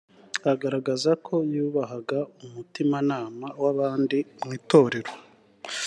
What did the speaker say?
agaragaza ko yubahaga umutimanama w abandi mu itorero